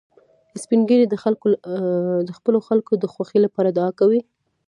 سپین ږیری د خپلو خلکو د خوښۍ لپاره دعا کوي